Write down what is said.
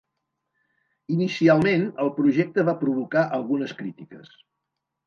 Inicialment, el projecte va provocar algunes crítiques.